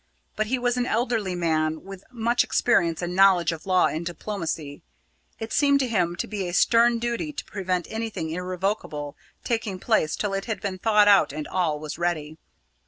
But he was an elderly man with much experience and knowledge of law and diplomacy. It seemed to him to be a stern duty to prevent anything irrevocable taking place till it had been thought out and all was ready.